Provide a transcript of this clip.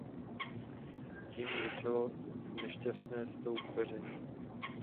Tím začalo nešťastné soupeření.